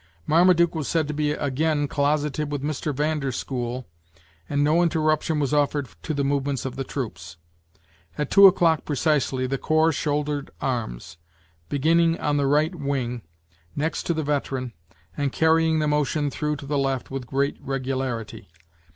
Marmaduke was said to be again closeted with Mr. Van der School and no interruption was offered to the movements of the troops. At two o'clock precisely the corps shouldered arms, beginning on the right wing, next to the veteran, and carrying the motion through to the left with great regularity.